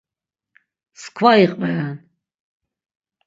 Mskva iqveren.